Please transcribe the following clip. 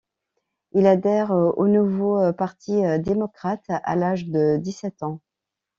Il adhère au Nouveau Parti démocratique à l'âge de dix-sept ans.